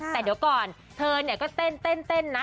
แต่เดี๋ยวก่อนเธอเนี่ยก็เต้นนะ